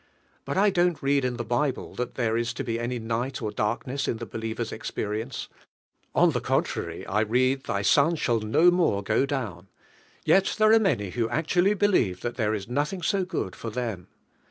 But I don't read in the Bible that there is to be any night or darkness in the believer's experience; on the contrary, I read, "thy sun shall no more go down"; yet there are many who actually believe that there is nothing so good for them.